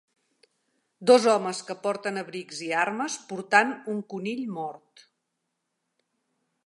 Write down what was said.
Dos homes que porten abrics i armes portant un conill mort.